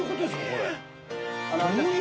これ。